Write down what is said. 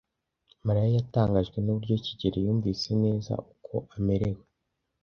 Mariya yatangajwe nuburyo kigeli yumvise neza uko amerewe.